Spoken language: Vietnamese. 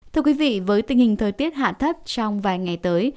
thưa quý vị với tình hình thời tiết hạ thấp trong vài ngày tới